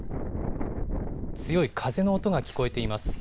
強い風の音が聞こえています。